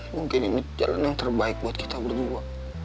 mungkin ini jalan yang terbaik buat kita berdua